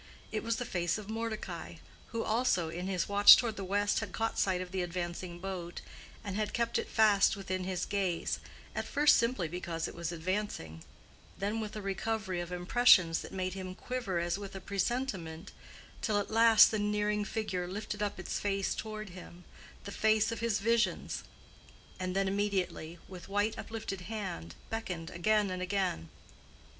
It was the face of Mordecai, who also, in his watch toward the west, had caught sight of the advancing boat, and had kept it fast within his gaze, at first simply because it was advancing, then with a recovery of impressions that made him quiver as with a presentiment, till at last the nearing figure lifted up its face toward him—the face of his visions—and then immediately, with white uplifted hand, beckoned again and again.